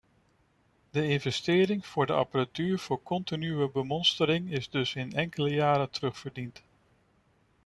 De investering voor de apparatuur voor continue bemonstering is dus in enkele jaren terugverdiend.